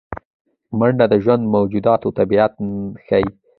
منډه د ژوندي موجوداتو طبیعت ښيي